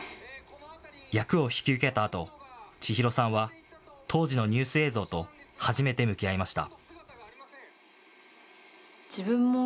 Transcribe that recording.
役を引き受けたあと千裕さんは当時のニュース映像と初めて向き合いました。